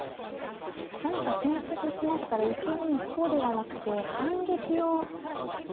何か先手としましたら受け身一方ではなくて反撃をどこかから。